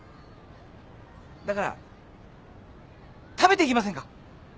だから食べていきませんか？